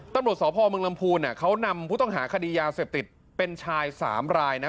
ตำรวจสพเมืองลำพูนเขานำผู้ต้องหาคดียาเสพติดเป็นชาย๓รายนะ